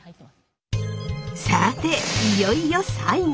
さていよいよ最後！